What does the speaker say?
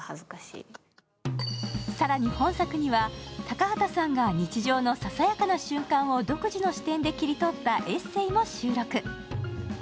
更に、本作には高畑さんが日常のささやかな瞬間を独自の視点で切り取ったエッセーも収録。